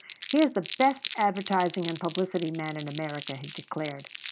"He is the best advertising and publicity man in America," he declared.